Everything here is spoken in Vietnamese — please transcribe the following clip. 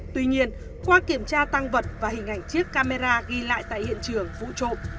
tuy nhiên qua kiểm tra tăng vật và hình ảnh chiếc camera ghi lại tại hiện trường vụ trộm